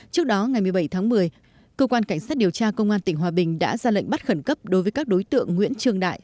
trước đó ngày một mươi bảy tháng một mươi cơ quan cảnh sát điều tra công an tỉnh hòa bình đã ra lệnh bắt khẩn cấp đối với các đối tượng nguyễn trương đại